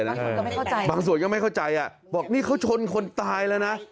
ก็ไม่เข้าใจบางส่วนก็ไม่เข้าใจอ่ะบอกนี่เขาชนคนตายแล้วนะ